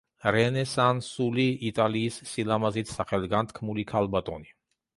რენესანსული იტალიის სილამაზით სახელგანთქმული ქალბატონი.